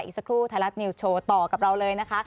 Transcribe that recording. สักครู่ไทยรัฐนิวส์โชว์ต่อกับเราเลยนะคะ